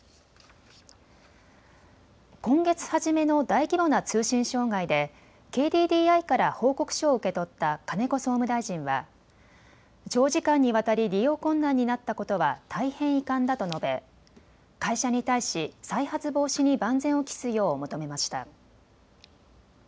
今月初めの大規模な通信障害でＫＤＤＩから報告書を受け取った金子総務大臣は長時間にわたり利用困難になったことは大変遺憾だと述べ、会社に対し再発防止に万全を期すよう求めました。